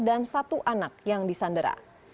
dan satu anak yang disandera